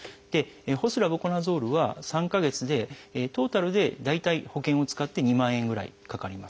ホスラブコナゾールは３か月でトータルで大体保険を使って２万円ぐらいかかります。